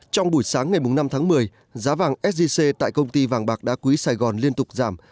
trong buổi sáng ngày năm tháng một mươi giá vàng sgc tại công ty vàng bạc đá quý sài gòn liên tục giảm